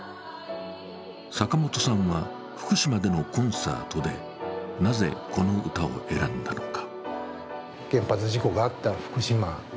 坂本さんは福島でのコンサートで、なぜこの歌を選んだのか。